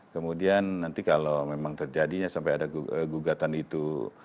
kemudian nanti kalau memang terjadinya sampai ada gugatan itu